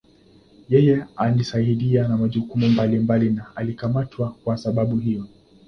Yeye alisaidia na majukumu mbalimbali na alikamatwa kuwa sababu hiyo.